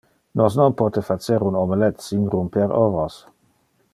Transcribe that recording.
Nos non pote facer un omelette sin rumper ovos.